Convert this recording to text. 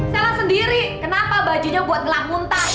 salah sendiri kenapa bajunya buat ngelak muntah